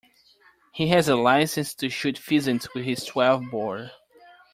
He has a licence to shoot pheasants with his twelve-bore